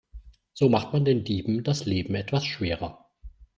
So macht man den Dieben das Leben etwas schwerer.